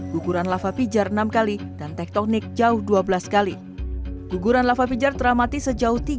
guguran lava pijar enam kali dan tektonik jauh dua belas kali guguran lava pijar teramati sejauh